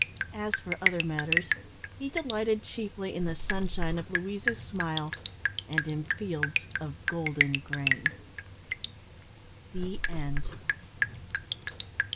As for other matters he delighted chiefly in the sunshine of Louisa's smile, and in fields of golden grain. THE END.